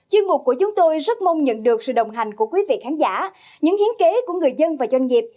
chuyên mục của chúng tôi rất mong nhận được sự đồng hành của quý vị khán giả những hiến kế của người dân và doanh nghiệp